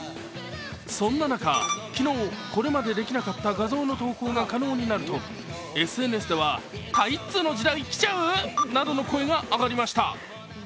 そんな中、昨日、これまでできなかった画像の投稿が可能になるとＳＮＳでは、「タイッツーの時代来ちゃう？！」などの声が上がりました。